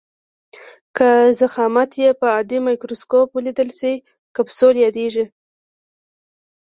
که ضخامت یې په عادي مایکروسکوپ ولیدل شي کپسول یادیږي.